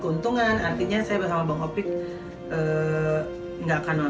kalau nyanyi pun nggak akan dibayar